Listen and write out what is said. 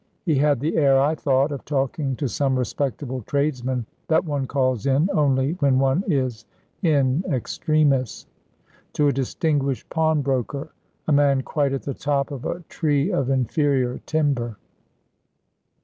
He had the air, I thought, of talking to some respectable tradesman that one calls in only when one is in extremis to a distinguished pawnbroker, a man quite at the top of a tree of inferior timber.